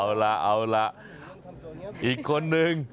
โอ้โหเอาล่ะอีกคนนึง